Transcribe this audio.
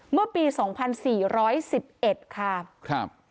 เมื่อปีสองพันสี่ร้อยสิบเอ็ดค่ะครับ